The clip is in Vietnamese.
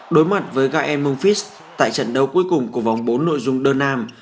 đối mặt với gaem mungfis tại trận đấu cuối cùng của vòng bốn nội dung đơn nam